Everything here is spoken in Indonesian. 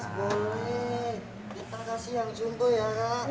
kita kasih yang suntuh ya kak